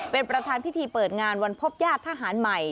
เป็นประธานพิธีเปิดงานวันพบญาติทหารใหม่